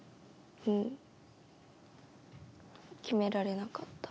うん、決められなかった。